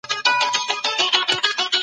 د کورنیو تولیداتو کیفیت لوړ کړئ.